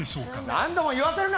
何度も言わせるな！